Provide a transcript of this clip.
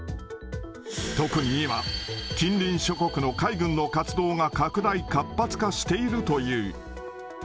特に今、近隣諸国の海軍の活動が拡大、活発化しているという。